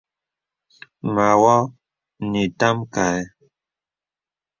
Mə awɔ̄ nə ìtam kaɛ̂.